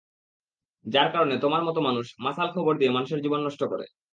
যার কারণে, তোমার মতো মানুষ, মাসাল খবর দিয়ে মানুষের জীবন নষ্ট করে।